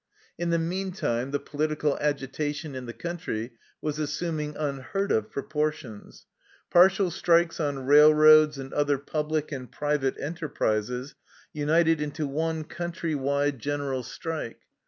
In the meantime the political agitation in the country was assuming unheard of proportions. Partial strikes on railroads and other public and private enterprises united into one country wide general strike.